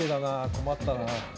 困ったな。